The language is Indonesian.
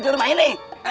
di rumah ini